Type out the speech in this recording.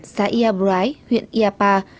xã yà brái huyện yà pa